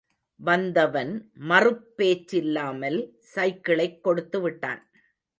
வந்தவன் மறுப்பேச்சில்லாமல் சைக்கிளைக் கொடுத்துவிட்டான்.